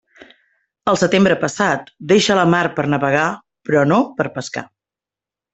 El setembre passat, deixa la mar per navegar però no per pescar.